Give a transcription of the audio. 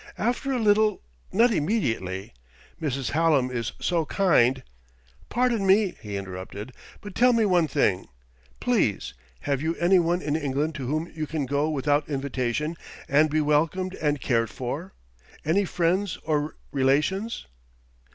"After a little not immediately. Mrs. Hallam is so kind " "Pardon me," he interrupted; "but tell me one thing, please: have you any one in England to whom you can go without invitation and be welcomed and cared for any friends or relations?"